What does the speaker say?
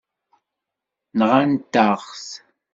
Nɣant-aɣ-t.